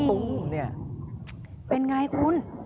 อุ้ยเป็นไงคุณ